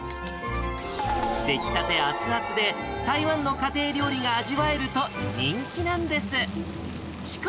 出来たて熱々で、台湾の家庭料理が味わえると人気なんです。